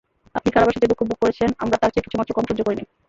আপনি কারাবাসে যে দুঃখ ভোগ করেছেন আমরা তার চেয়ে কিছুমাত্র কম সহ্য করি নি।